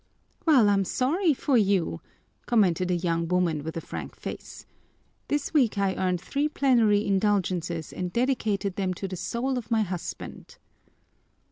"Well, I'm sorry for you," commented a young woman with a frank face. "This week I earned three plenary indulgences and dedicated them to the soul of my husband."